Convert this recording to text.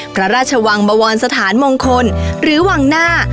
พระราชวังบวรสถานมงคลหรือวังหน้า